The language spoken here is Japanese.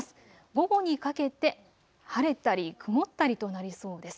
午後にかけて晴れたり曇ったりとなりそうです。